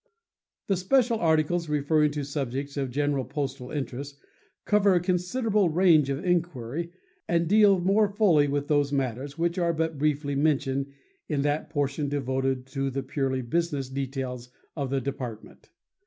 The special articles referring to subjects of general postal interest cover a considerable range of inquiry and deal more fully with those matters which are but briefly mentioned in that portion devoted to the purely business details of the Department.